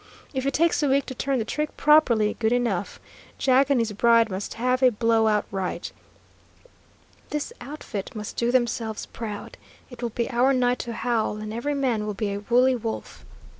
If it takes a week to turn the trick properly, good enough. Jack and his bride must have a blow out right. This outfit must do themselves proud. It will be our night to howl, and every man will be a wooly wolf."